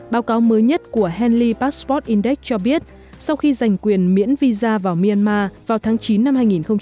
báo cáo mới nhất của hany passport index cho biết sau khi giành quyền miễn visa vào myanmar vào tháng chín năm hai nghìn một mươi chín